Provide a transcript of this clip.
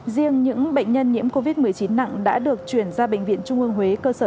riêng những bệnh nhân nhiễm covid một mươi chín nặng đã được chuyển ra bệnh viện trung ương huế cơ sở